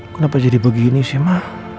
kenapa jadi begini sih ma